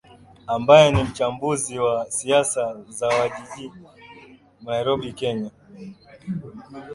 ambaye ni mchambuzi wa siasa za wa jijini nairobi kenya